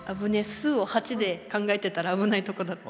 「す」を８で考えてたら危ないとこだった。